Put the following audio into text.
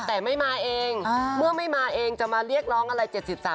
แต่ไม่มาเองเมื่อไม่มาเองจะมาเรียกร้องอะไร๗๓